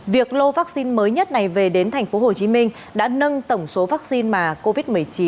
việc lô vắc xin mới nhất này về đến thành phố hồ chí minh đã nâng tổng số vắc xin mà covid một mươi chín